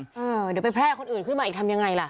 เดี๋ยวไปแพร่คนอื่นขึ้นมาอีกทำยังไงล่ะ